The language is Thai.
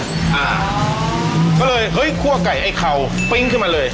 อ่าก็เลยเฮ้ยคั่วไก่ไอ้เข่าปิ้งขึ้นมาเลย